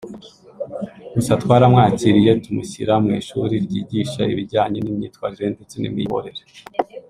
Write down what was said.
gusa twaramwakiriye tumushyira mu ishuri ryigisha ibijyanye n’imyitwarire ndetse n’imiyoborere